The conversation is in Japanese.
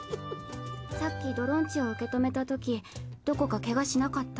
さっきドロンチを受け止めたときどこかケガしなかった？